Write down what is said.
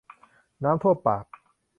น้ำท่วมปาก